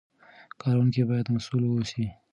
کاروونکي باید مسوول واوسي.